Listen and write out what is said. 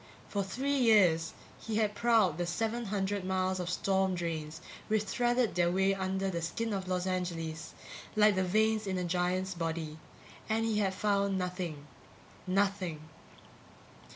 For three years he had prowled the seven hundred miles of storm drains which threaded their way under the skin of Los Angeles like the veins in a giant's body and he had found nothing. _Nothing.